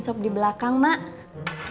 soap di belakang mak